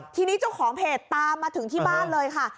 ทีนี้เจ้าของเพจตามมาถึงที่บ้านเลยค่ะ